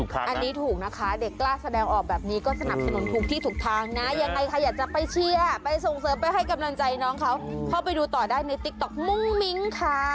แฟนเพลงกำลังใจน้องเขาเข้าไปดูต่อได้ในติ๊กต๊อกมุ้งมิ้งค่ะ